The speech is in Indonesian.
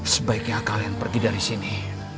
sebaiknya kalian pergi dari sini